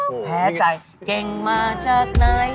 อืมแพร่ใจโอ้โฮมีแก่งมาจากไหน